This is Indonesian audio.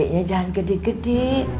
gadenya jangan gede gede